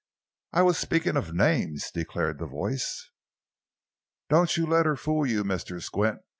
"I was speaking of names," declared the voice. "Doan' yo' let her fool yo', Mr. Squint!"